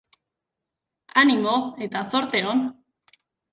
Animo eta zorte on!